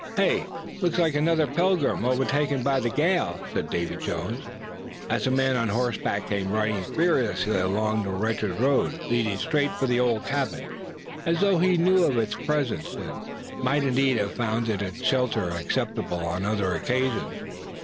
"Hey! looks like another pilgrim overtaken by the gale," said Davy Jones, as a man on horseback came riding furiously along the wretched road, heading straight for the old cabin; as though he knew of its presence, and might indeed have found its shelter acceptable on other occasions.